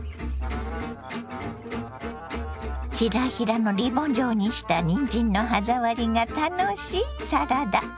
ヒラヒラのリボン状にしたにんじんの歯触りが楽しいサラダ。